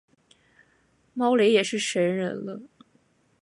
猫雷也是神人了